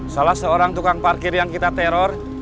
salah seorang tukang parkir yang kita teror